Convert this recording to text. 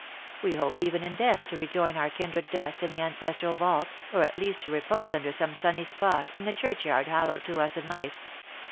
We hope even in death to rejoin our kindred dust in the ancestral vault, or at least to repose under some sunny spot, in the churchyard hal lowed to us in life.